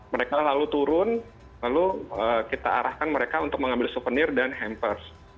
mereka lalu turun lalu kita arahkan mereka untuk mengambil souvenir dan hampers